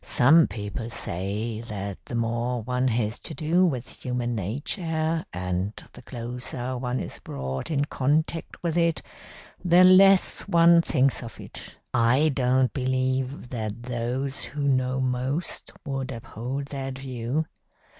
"Some people say that the more one has to do with human nature, and the closer one is brought in contact with it, the less one thinks of it. I don't believe that those who know most would uphold that view.